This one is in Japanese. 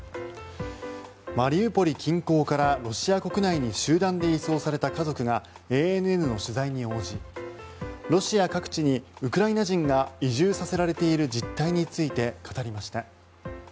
マリウポリ近郊からロシア国内に集団で移送された家族がＡＮＮの取材に応じロシア各地にウクライナ人が移住させられている実態について語りました。